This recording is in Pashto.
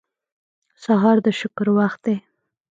سهار د شکر وخت دی.